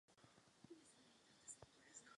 Jako host se na desce objevuje zpěvák John Legend.